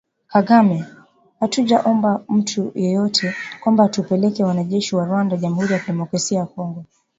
Kagame: Hatujaomba mtu yeyote kwamba tupeleke wanajeshi wa Rwanda Jamhuri ya kidemokrasia ya Kongo.